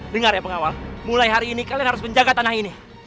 dengar ya pengawal mulai hari ini kalian harus menjaga tanah ini